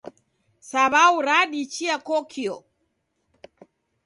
Saw'au radichia kokio